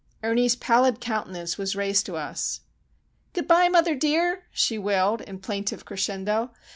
Ernie's pallid countenance was raised to us. "Good bye, mother dear!" she wailed in plaintive crescendo.